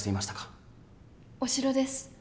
お城です。